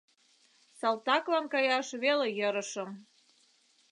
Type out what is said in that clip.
Салтаклан каяш веле йӧрышым.